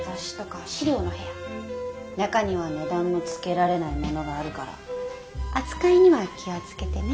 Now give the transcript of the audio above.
中には値段のつけられないものがあるから扱いには気を付けてね。